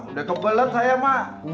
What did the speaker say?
udah kebelet saya mak